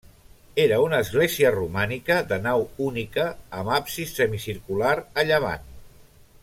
Era una església romànica de nau única, amb absis semicircular a llevant.